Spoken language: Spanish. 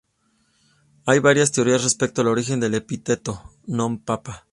Hay varias teorías respecto al origen del epíteto "non Papa".